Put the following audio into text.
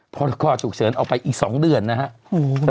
พอลูกภาพถูกเฉินออกไปอีก๒เดือนนะฮะ